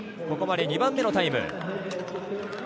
ここまで２番目のタイム。